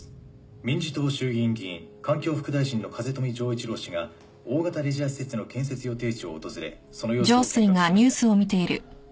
民事党衆議院議員環境副大臣の風富城一郎氏が大型レジャー施設の建設予定地を訪れその様子を見学しました。